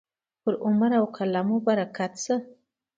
پر عمر او قلم مو برکت شه.